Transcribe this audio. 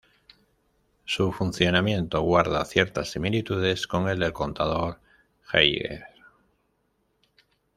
Su funcionamiento guarda ciertas similitudes con el del contador Geiger.